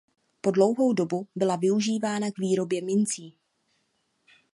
Po dlouhou dobu byla využívána k výrobě mincí.